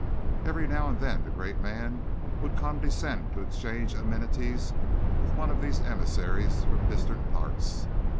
Every now and then the great man would condescend to exchange amenities with one of these emissaries from distant parts.